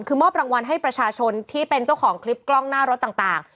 คือมอบรางวัลให้ประชาชนที่เป็นเจ้าของคลิปกล้องหน้ารถต่าง